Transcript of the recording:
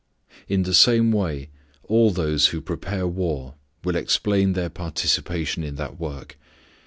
In the same way, all those who prepare war will explain their participation in that work.